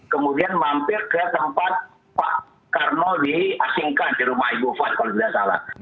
kemudian mampir ke tempat pak karno diasingkan di rumah ibu fat kalau tidak salah